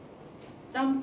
・ジャンプ。